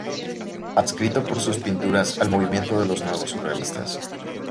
Adscrito por sus pinturas al movimiento de los nuevos surrealistas.